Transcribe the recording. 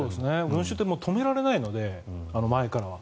群衆って止められないので前からは。